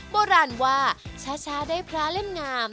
โบราณว่าช้าได้พระเล่นงาม